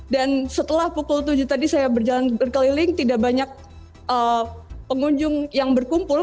dan setelah pukul tujuh tadi saya berjalan berkeliling tidak banyak pengunjung yang berkumpul